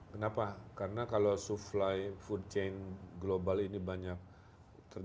kenapa karena kalau supply food chain global ini banyak terjadi